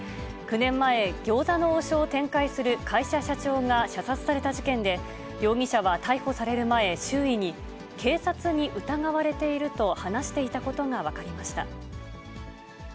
９年前、餃子の王将を展開する会社社長が射殺された事件で、容疑者は逮捕される前、周囲に、警察に疑われていると話していたことが分かりました。